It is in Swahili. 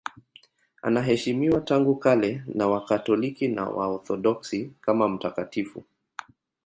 Anaheshimiwa tangu kale na Wakatoliki na Waorthodoksi kama mtakatifu.